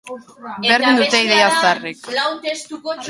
Berdin dute ideia zaharrek.